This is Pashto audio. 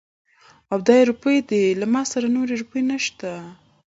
او دا يې روپۍ دي. نورې روپۍ له ما سره نشته.